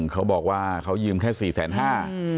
เขาบอกว่าเขายืมแค่สี่แสนห้า